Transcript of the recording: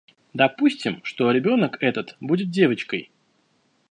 Допустим, что ребенок этот будет девочкой.